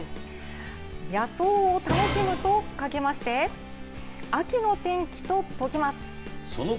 野草を楽しむとかけまして、秋の天気と解きます。